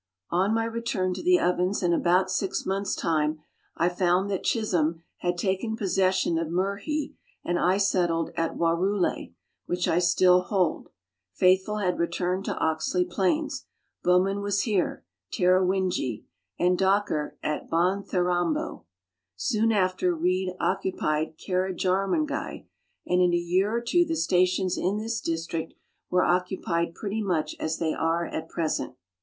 On my return to the Ovens in about six months' time, I found that Chisholm had taken possession of Myrrhee, and I settled at Warrouley, which I still hold. Faithfull had returned to Oxley Plains. Bowman was here (Tarrawingee), and Docker at Bontherambo. Soon after, Reid occupied Carrajarmongei, and in a year or two the stations in this district were occupied pretty much as they are at present.